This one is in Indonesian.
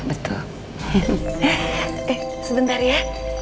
eh sebentar ya